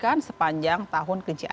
karena banyak orang membutuhkan kestabilan